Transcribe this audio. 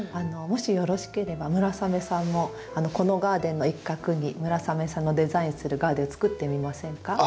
もしよろしければ村雨さんもこのガーデンの一画に村雨さんのデザインするガーデンをつくってみませんか？